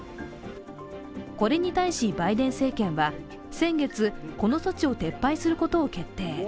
これに対しバイデン政権は先月、この措置を撤廃することを決定。